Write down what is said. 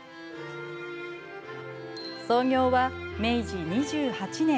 創業は明治２８年。